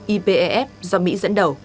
ipef do mỹ dẫn đầu